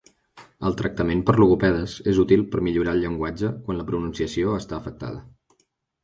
El tractament per logopedes és útil per millorar el llenguatge quan la pronunciació està afectada.